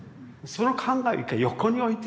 その考えを一回横に置いて。